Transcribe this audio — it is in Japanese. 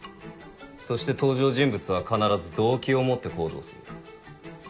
そして登場人物は必ず動機を持って行動する。